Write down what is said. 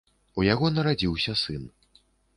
У яго нарадзіўся сын.